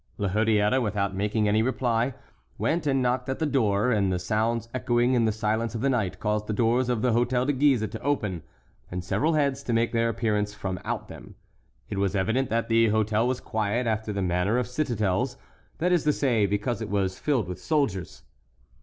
La Hurière, without making any reply, went and knocked at the door, and the sounds echoing in the silence of the night caused the doors of the Hôtel de Guise to open, and several heads to make their appearance from out them; it was evident that the hôtel was quiet after the manner of citadels, that is to say, because it was filled with soldiers.